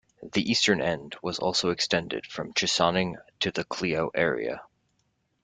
The eastern end was also extended from Chesaning to the Clio area.